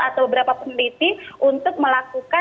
atau beberapa peneliti untuk melakukan